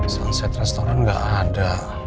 sunset restaurant nggak ada